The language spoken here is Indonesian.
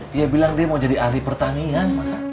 dia bilang dia mau jadi ahli pertanian